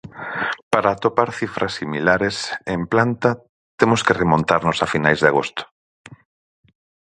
Para atopar cifras similares, en planta, temos que remontarnos a finais de agosto.